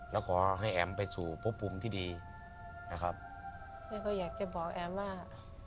แล้วขอให้แอ๋มไปสู่พบภูมิที่ดีนะครับแม่ก็อยากจะบอกแอมว่า